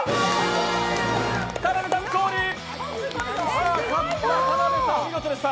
田辺さん、お見事でした。